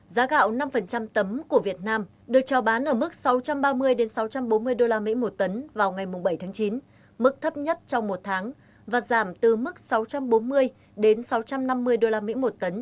giá gạo năm tấm của việt nam được trao bán ở mức sáu trăm ba mươi sáu trăm bốn mươi usd một tấn vào ngày bảy tháng chín mức thấp nhất trong một tháng và giảm từ mức sáu trăm bốn mươi sáu trăm năm mươi usd một tấn